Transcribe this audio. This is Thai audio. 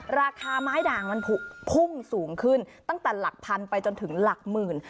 ราคาไม้ด่างมันพุ่งสูงขึ้นตั้งแต่หลักพันไปจนถึงหลักหมื่น